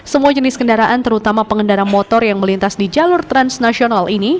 semua jenis kendaraan terutama pengendara motor yang melintas di jalur transnasional ini